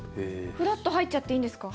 フラッと入っちゃっていいんですか？